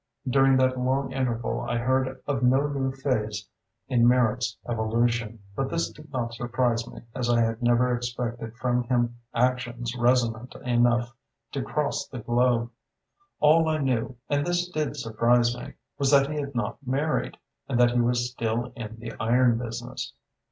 During that long interval I heard of no new phase in Merrick's evolution, but this did not surprise me, as I had never expected from him actions resonant enough to cross the globe. All I knew and this did surprise me was that he had not married, and that he was still in the iron business.